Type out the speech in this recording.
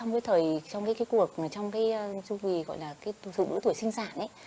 ví dụ trong cái cuộc trong cái chuẩn bị gọi là sự nữ tuổi sinh sản